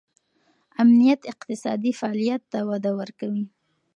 امنیت اقتصادي فعالیت ته وده ورکوي.